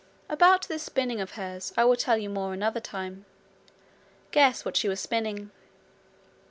About this spinning of hers I will tell you more another time. Guess what she was spinning.